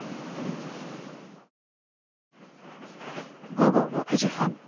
午後６時半。